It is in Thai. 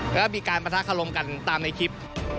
แล้วก็มีการประทะคลมกันตามในคลิป